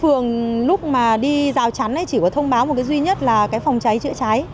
phường lúc mà đi rào chắn chỉ có thông báo một cái duy nhất là phòng cháy chữa cháy